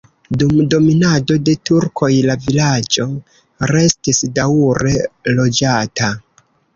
Dum dominado de turkoj la vilaĝo restis daŭre loĝata.